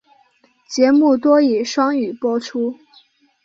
节目多以双语播出。